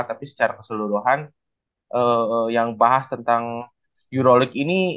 tapi secara keseluruhan yang bahas tentang eurolik ini